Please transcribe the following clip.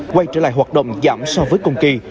quay trở lại hoạt động giảm so với cùng kỳ